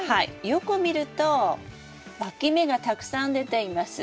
よく見るとわき芽がたくさん出ています。